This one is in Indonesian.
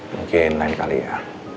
mungkin lain kali ya